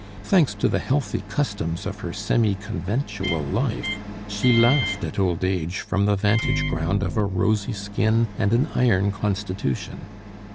Thanks to the healthy customs of her semi conventual life, she laughed at old age from the vantage ground of a rosy skin and an iron constitution.